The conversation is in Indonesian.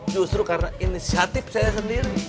justru karena inisiatif saya sendiri